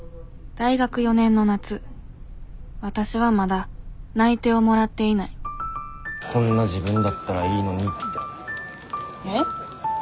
大学４年の夏わたしはまだ内定をもらっていない「こんな自分だったらいいのに」って。え？